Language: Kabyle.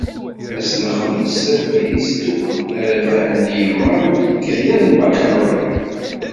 Ass n lexmis i d-itteddun ara d-banen yigmaḍ n ukayad n bakalurya.